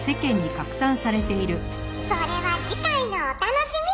「それは次回のお楽しみ！」